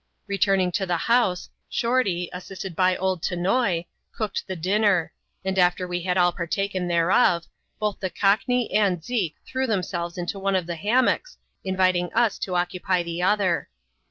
Betuming to the house, Shorty, assisted by old Tonoi, cooked the dinner; and, after we had all partaken thereof, both the Cockney and Zeke threw themselves into one of the hammocks, inviting us to occupy the other.